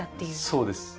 そうです。